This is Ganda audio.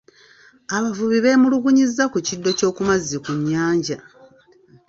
Abavubi beemulugunya ku kiddo ky'oku mazzi ku nnyanja.